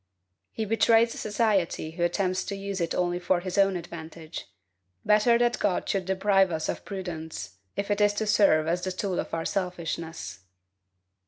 He betrays society who attempts to use it only for his own advantage; better that God should deprive us of prudence, if it is to serve as the tool of our selfishness.